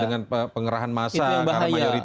dengan pengerahan massa karena mayoritas dan sebagainya